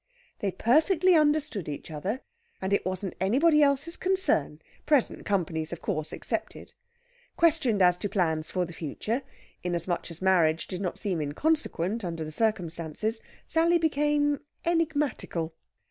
They perfectly understood each other, and it wasn't anybody else's concern; present company's, of course, excepted. Questioned as to plans for the future inasmuch as a marriage did not seem inconsequent under the circumstances Sally became enigmatical.